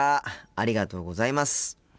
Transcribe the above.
ありがとうございます。